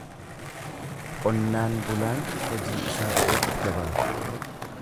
Qonnaan bulaan hojii isaa irratti jabaata.